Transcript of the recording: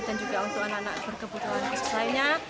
dan juga untuk anak anak berkebutuhan khusus lainnya